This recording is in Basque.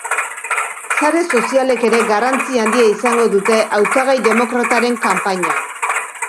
Sare sozialek ere garrantzi handia izango dute hautagai demokrataren kanpainan.